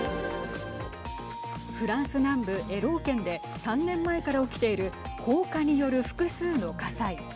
フランス南部エロー県で３年前から起きている放火による複数の火災。